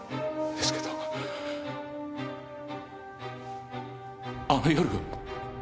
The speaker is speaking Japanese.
ですけどあの夜。